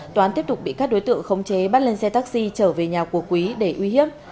toán tiếp tục bị các đối tượng khống chế bắt lên xe taxi trở về nhà của quý để uy hiếp